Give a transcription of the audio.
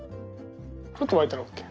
ちょっと沸いたらＯＫ。